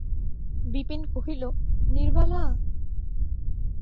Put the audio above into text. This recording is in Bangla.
বিপিন কহিল, নীরবালা!